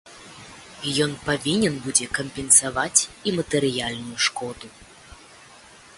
Ён павінен будзе кампенсаваць і матэрыяльную шкоду.